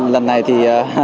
lần này thì